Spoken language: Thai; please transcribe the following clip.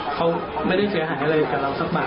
เขาไม่ได้เจอหายอะไรกับเราทรัพย์ครับ